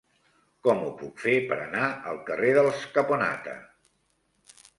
Com ho puc fer per anar al carrer dels Caponata?